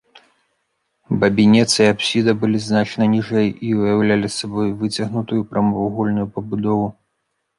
Бабінец і апсіда былі значна ніжэй і ўяўлялі сабой выцягнутую прамавугольную пабудову.